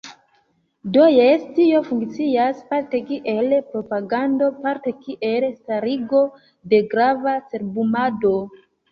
Do jes, tio funkcias parte kiel propagando, parte kiel starigo de grava cerbumado.